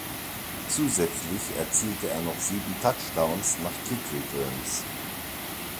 Zusätzlich erzielte er noch sieben Touchdowns nach Kick Returns.